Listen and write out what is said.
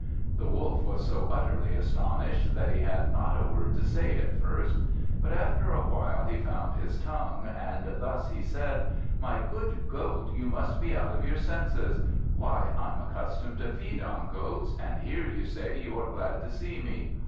The Wolf was so utterly astonished that he had not a word to say at first. But after a while, he found his tongue, and thus said he "My good Goat, you must be out of your senses. Why, I'm accustomed to feed on goats, and here you say you are glad to see me.